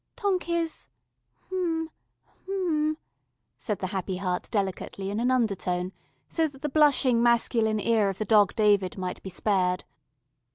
"Tonk is hm hm," said the Happy Heart delicately in an undertone, so that the blushing masculine ear of the Dog David might be spared.